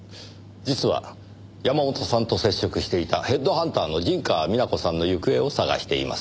実は山本さんと接触していたヘッドハンターの陣川美奈子さんの行方を探しています。